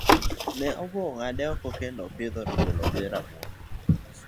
Ne obuogo ng'ade oko kendo opith rabolo koda rabuon.